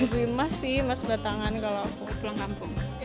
dari mas sih mas bertangan kalau pulang kampung